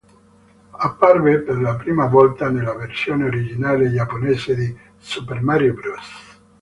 Apparve per la prima volta nella versione originale giapponese di "Super Mario Bros.